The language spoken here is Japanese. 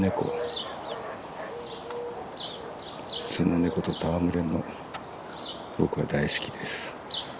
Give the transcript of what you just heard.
普通のネコと戯れるの僕は大好きです。